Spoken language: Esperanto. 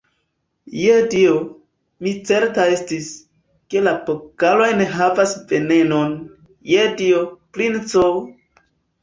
Je Dio, mi certa estis, ke la pokalo enhavas venenon, je Dio, princo!